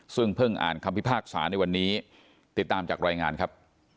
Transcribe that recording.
ซึ่งเพิ่งอ่านคำพิพากษาในวันนี้ติดตามจากรายงานครับ